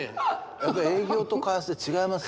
やっぱり営業と開発で違いますよね。